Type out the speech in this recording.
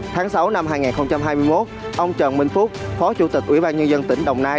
tháng sáu năm hai nghìn hai mươi một ông trần minh phúc phó chủ tịch ủy ban nhân dân tỉnh đồng nai